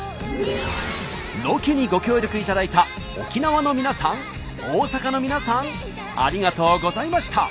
ロケにご協力いただいた沖縄の皆さん大阪の皆さんありがとうございました！